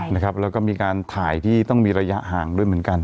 แล้วก็มีการถ่ายที่ต้องมีระยะห่างด้วยเหมือนกัน